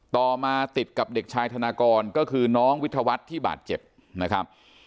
ต่อมาติดกับเด็กชายธนากรก็คือน้องวิทยาวัฒน์ที่บาดเจ็บนะครับ